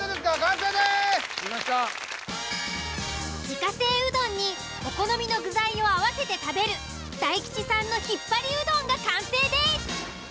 自家製うどんにお好みの具材を合わせて食べる大吉さんのひっぱりうどんが完成です！